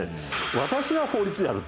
「私が法律である！」